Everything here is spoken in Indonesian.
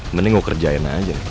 mending gue kerjain aja